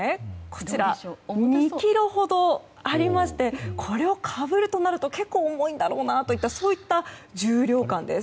こちら、２ｋｇほどありましてこれをかぶるとなると結構重いんだろうなというそういった重量感です。